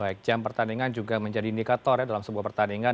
baik jam pertandingan juga menjadi indikator ya dalam sebuah pertandingan